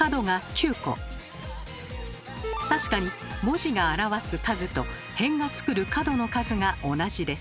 確かに文字が表す数と辺が作る角の数が同じです。